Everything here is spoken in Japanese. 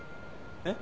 えっ？